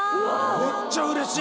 めっちゃ嬉しい。